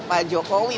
tapi di baratume